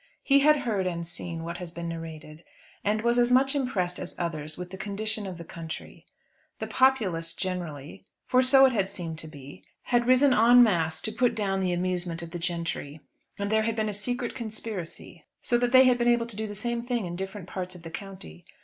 He had heard and seen what has been narrated, and was as much impressed as others with the condition of the country. The populace generally for so it had seemed to be had risen en masse to put down the amusement of the gentry, and there had been a secret conspiracy, so that they had been able to do the same thing in different parts of the county.